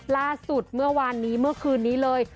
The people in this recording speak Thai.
ล่าสุดเมื่อวานนี้เมื่อคืนนี้เลย